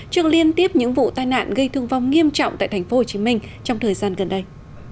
trước liên tiếp những vụ tai nạn gây thương vong nghiêm trọng tại tp hcm trong thời gian gần đây